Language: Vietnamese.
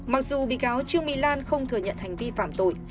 mặc dù bị cáo trương mỹ lan không thừa nhận hành vi phạm tội